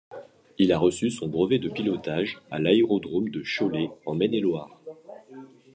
Il a reçu son brevet de pilotage à l'aérodrome de Cholet en Maine-et-Loire.